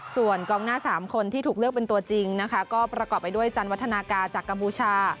ส่วนกองหน้า๓คนที่ถูกเลือกเป็นตัวจริงนะคะก็ประกอบไปด้วยจันวัฒนากาจากกัมพูชา